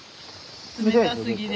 冷たすぎで。